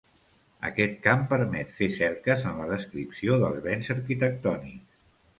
Aquest camp permet fer cerques en la descripció dels béns arquitectònics.